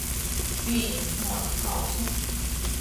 Pījimt nuovis kausu.